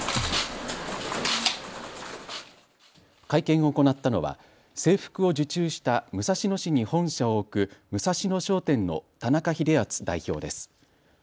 会見を行ったのは制服を受注した武蔵野市に本社を置くムサシノ商店の田中秀篤代表です。